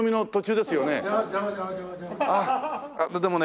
でもね